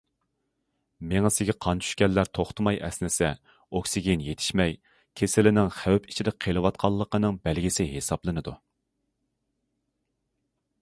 مېڭىسىگە قان چۈشكەنلەر توختىماي ئەسنىسە، ئوكسىگېن يېتىشمەي، كېسىلىنىڭ خەۋپ ئىچىدە قېلىۋاتقانلىقىنىڭ بەلگىسى ھېسابلىنىدۇ.